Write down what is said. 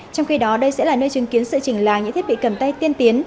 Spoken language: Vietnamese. trong khi đó đây sẽ là nơi chứng kiến sự chỉnh làng những thiết bị cầm tay tiên tiến